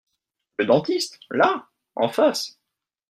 Le dentiste ?… là !… en face !…